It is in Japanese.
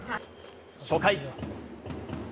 初回。